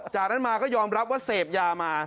จากนั้นมาก็ยอมรับว่าเสพยามา